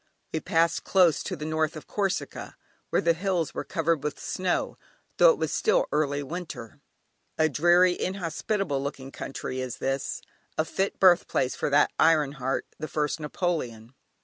We passed close to the north of Corsica, where the hills were covered with snow, though it was still early winter. A dreary inhospitable looking country is this: a fit birthplace for that iron heart the First Napoleon.